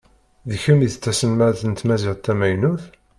D kemm i d taselmadt n tmaziɣt tamaynut?